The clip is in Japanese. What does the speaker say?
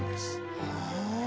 へえ！